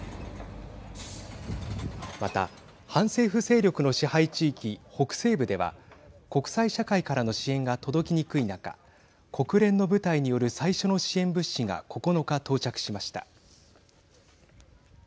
また、反政府勢力の支配地域・北西部では国際社会からの支援が届きにくい中国連の部隊による最初の支援物資が９日、到着しました。